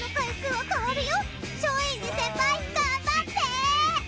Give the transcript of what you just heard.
松陰寺先輩頑張って！